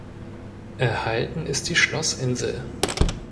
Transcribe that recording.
Erhalten ist die Schlossinsel.